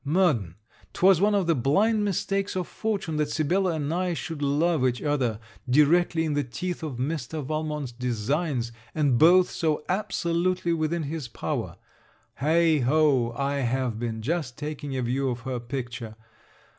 Murden, 'twas one of the blind mistakes of fortune that Sibella and I should love each other, directly in the teeth of Mr. Valmont's designs, and both so absolutely within his power. Heigh ho! I have been just taking a view of her picture.